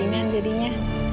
akan lebih ringan jadinya